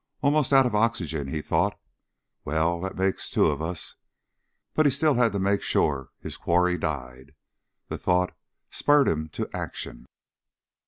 Almost out of oxygen, he thought. Well, that makes two of us. But he still had to make sure his quarry died. The thought spurred him to action.